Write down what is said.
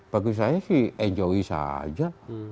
bagi saya sih enjoy saja